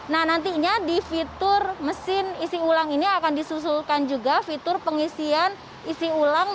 nah nantinya di fitur mesin isi ulang ini akan disusulkan juga fitur pengisian isi ulang